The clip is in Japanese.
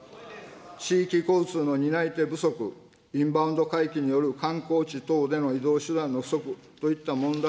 地域交通の担い手不足、インバウンド回帰による観光地等での移動手段の不足といった問題